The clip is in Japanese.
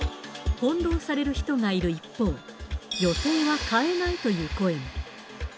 翻弄される人がいる一方、予定は変えないという声も。